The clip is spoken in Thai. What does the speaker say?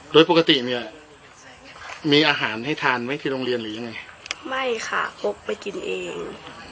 โดยปกติเนี่ยมีอาหารให้ทานไหมที่โรงเรียนหรือยังไงไม่ค่ะพกไปกินเอง